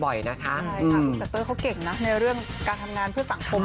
บ่อยนะคะใช่ค่ะเค้าเก่งนะในเรื่องการทำนานเพื่อสังคม